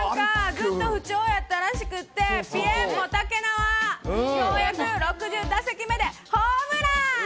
ずっと不調やったらしくって、もたけなわ、ようやく６０打席目でホームラン。